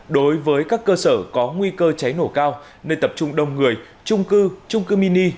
đối với các cơ sở có nguy cơ cháy nổ cao nơi tập trung đông người trung cư trung cư mini